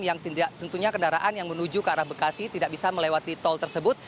yang tentunya kendaraan yang menuju ke arah bekasi tidak bisa melewati tol tersebut